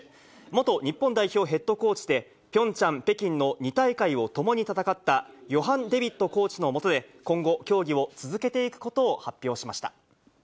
元日本代表ヘッドコーチで、ピョンチャン、北京の２大会を共に戦ったヨハン・デビットコーチの下で、今後、競技を続けていくことを発表しました。